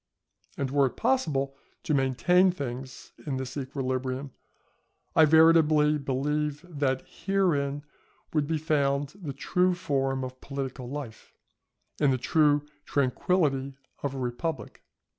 And were it possible to maintain things in this equilibrium, I veritably believe that herein would be found the true form of political life, and the true tranquility of a republic.